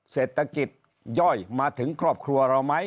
เศรษฐกิจย่อยมาถึงครอบครัวเราไหม